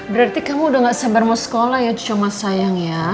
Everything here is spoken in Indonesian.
berarti kamu udah gak sabar mau sekolah ya cuma sayang ya